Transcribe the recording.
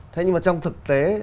thế nhưng mà trong thực tế